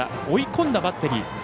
追い込んだバッテリー。